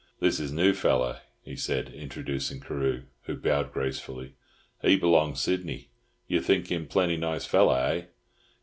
"This is new feller?" he said, introducing Carew, who bowed gracefully. "He b'long Sydney. You think him plenty nice feller, eh?"